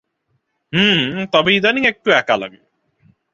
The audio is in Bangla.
হুমম, তবে ইদানীং একটু একা লাগে।